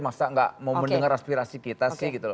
masa nggak mau mendengar aspirasi kita sih gitu loh